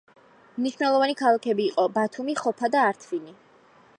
მნიშვნელოვანი ქალაქები იყო ბათუმი, ხოფა და ართვინი.